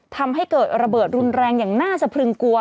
ทำให้เกิดระเบิดรุนแรงอย่างน่าสะพรึงกลัว